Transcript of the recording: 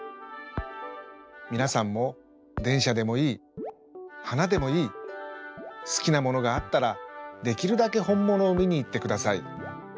みなさんもでんしゃでもいいはなでもいいすきなものがあったらできるだけほんものを見に行ってください。